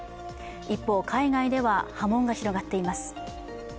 一方、海外では波紋が広がっています。